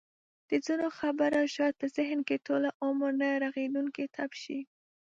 د ځینو خبره شاید په ذهن کې ټوله عمر نه رغېدونکی ټپ شي.